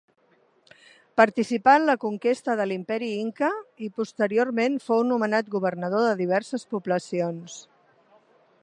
Participà en la conquesta de l'Imperi inca i posteriorment fou nomenat governador de diverses poblacions.